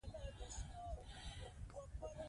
هر ګام چې پورته کوئ د بریا په لور دی.